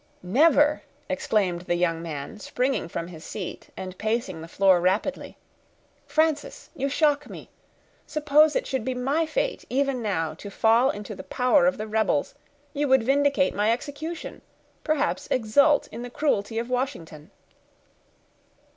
"Never!" exclaimed the young man, springing from his seat, and pacing the floor rapidly. "Frances, you shock me; suppose it should be my fate, even now, to fall into the power of the rebels; you would vindicate my execution—perhaps exult in the cruelty of Washington."